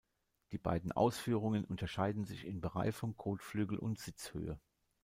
Die beiden Ausführungen unterscheiden sich in Bereifung, Kotflügel und Sitzhöhe.